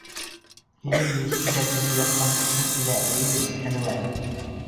Һинең нисек тә теге яҡҡа сыҡҡың килә, эйе бит, Әнүәр?